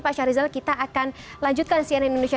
pak syarizal kita akan lanjutkan cnn indonesia